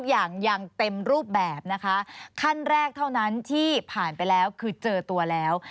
อย่างอย่างเต็มรูปแบบนะคะขั้นแรกเท่านั้นที่ผ่านไปแล้วคือเจอตัวแล้ว